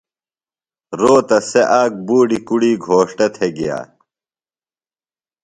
روتہ سےۡ اک بُوڈیۡ کُڑی گھوݜٹہ تھےۡ گِیہ۔